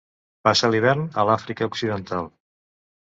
Passa l'hivern a l'Àfrica Occidental.